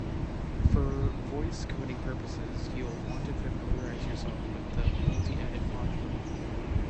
For voice coding purposes, you'll want to familiarize yourself with the multiedit module.